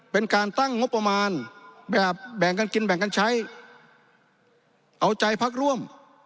เป็นการตั้งงบประมาณแบบแบ่งกันกินแบ่งกันใช้เอาใจพักร่วม